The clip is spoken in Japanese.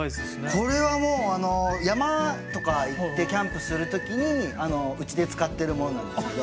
これはもうあの山とか行ってキャンプする時にうちで使ってるものなんですけど。